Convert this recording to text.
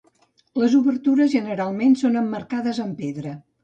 Les obertures generalment són emmarcades amb pedra.